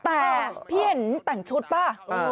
แต่พี่เห็นแต่งชุดป่ะ